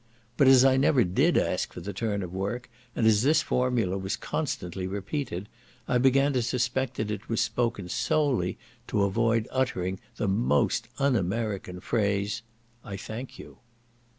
But as I never did ask for the turn of work, and as this formula was constantly repeated, I began to suspect that it was spoken solely to avoid uttering the most un American phrase "I thank you."